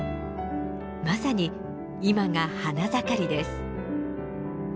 まさに今が花盛りです。